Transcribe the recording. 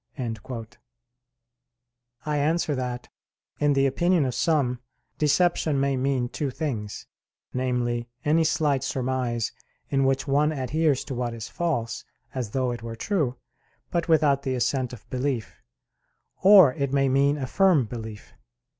I answer that, in the opinion of some, deception may mean two things; namely, any slight surmise, in which one adheres to what is false, as though it were true, but without the assent of belief or it may mean a firm belief.